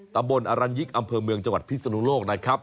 ตำบลอรัญยิกอำเภอเมืองจังหวัดพิศนุโลกนะครับ